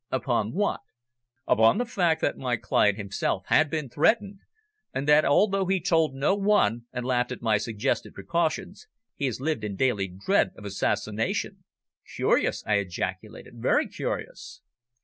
"Upon what?" "Upon the fact that my client himself had been threatened, and that, although he told no one and laughed at my suggested precautions, he has lived in daily dread of assassination." "Curious!" I ejaculated. "Very curious!"